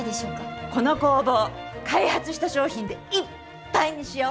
この工房開発した商品でいっぱいにしよう。